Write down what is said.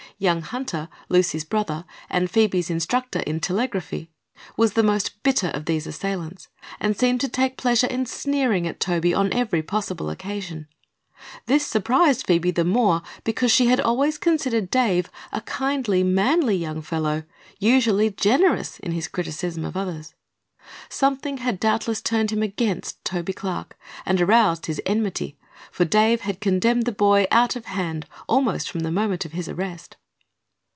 Young Hunter, Lucy's brother and Phoebe's instructor in telegraphy, was the most bitter of these assailants and seemed to take pleasure in sneering at Toby on every possible occasion. This surprised Phoebe the more because she had always considered Dave a kindly, manly young fellow, usually generous in his criticism of others. Something had doubtless turned him against Toby Clark and aroused his enmity, for Dave had condemned the boy out of hand almost from the moment of his arrest.